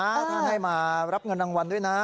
ท่านให้มารับเงินรางวัลด้วยนะ